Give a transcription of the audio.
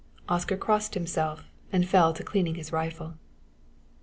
Oscar crossed himself and fell to cleaning his rifle.